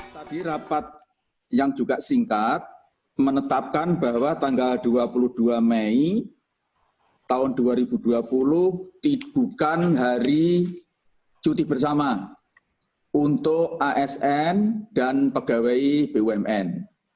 tadi rapat yang juga singkat menetapkan bahwa tanggal dua puluh dua mei tahun dua ribu dua puluh bukan hari cuti bersama untuk asn dan pegawai bumn